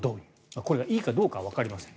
これがいいかどうかはわかりません。